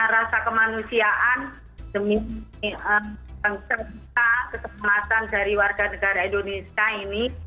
rasa kemanusiaan demi serta keselamatan dari warga negara indonesia ini